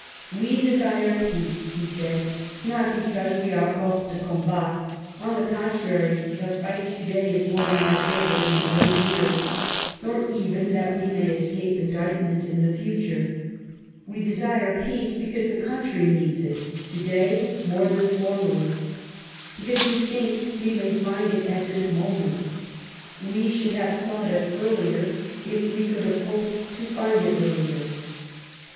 "We desire peace," he said, "not because we are hors de combat ; on the contrary, the fight to day is more in our favour than in late years ; nor even that we may escape indictment in the future, ... We desire peace because the country needs it to day more than formerly ; because we think we may find it at this moment. We should have sought it earlier if we could have hoped to find it earlier."